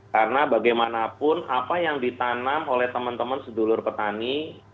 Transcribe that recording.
karena bagaimanapun apa yang ditanam oleh teman teman sedulur petani